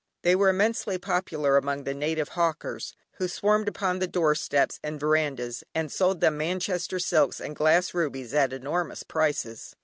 They were immensely popular among the native hawkers, who swarmed upon the door steps and verandahs, and sold them Manchester silks and glass rubies at enormous prices.